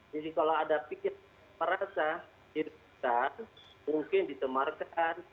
jadi kalau ada pikir perasaan diri kita mungkin ditemarkan